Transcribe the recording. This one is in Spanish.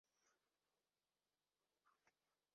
En su sitio está hoy la cruz de Santa Ana.